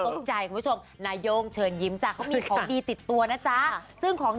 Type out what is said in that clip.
ขยับนึงขยับคิดถึง